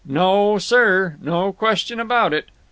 No, sir. No question about it.